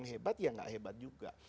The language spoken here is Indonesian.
yang hebat ya tidak hebat juga